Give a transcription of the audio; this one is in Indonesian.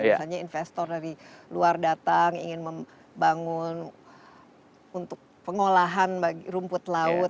misalnya investor dari luar datang ingin membangun untuk pengolahan rumput laut